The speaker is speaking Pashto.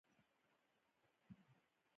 یوازینی هېواد دی چې کله ترې بېرته وځې.